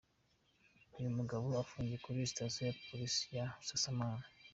Uyu mugabo afungiye kuri sitasiyo ya Polisi ya Busasamana.